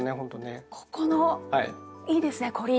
ここのいいですね凝り。